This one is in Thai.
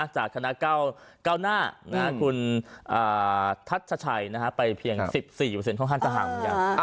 จากคณะเก้าหน้าคุณทัชชัยไปเพียง๑๔ของฮั่นสหัง